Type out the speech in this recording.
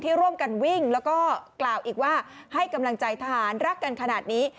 ร่วมกันวิ่งแล้วก็กล่าวอีกว่าให้กำลังใจทหารรักกันขนาดนี้